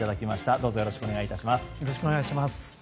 どうぞよろしくお願い致します。